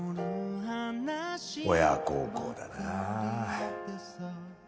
親孝行だなあ。